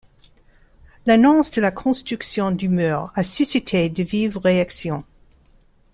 L'annonce de la construction du mur a suscité de vives réactions.